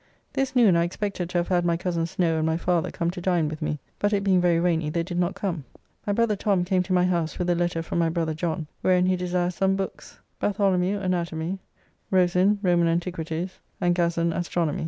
This noon I expected to have had my cousin Snow and my father come to dine with me, but it being very rainy they did not come. My brother Tom came to my house with a letter from my brother John, wherein he desires some books: Barthol. Anatom., Rosin. Rom. Antiq., and Gassend. Astronom.